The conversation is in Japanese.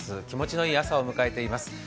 気持ちのいい朝を迎えています。